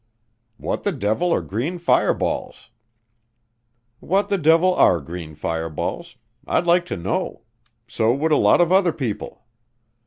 "What the devil are green fireballs?" What the devil are green fireballs? I'd like to know. So would a lot of other people.